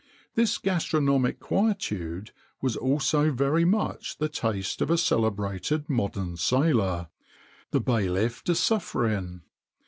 This gastronomic quietude was also very much the taste of a celebrated modern sailor, the Bailiff de Suffrein.